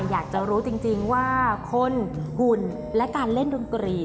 อยากจะรู้จริงว่าคนหุ่นและการเล่นดนตรี